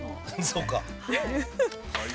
◆そうか。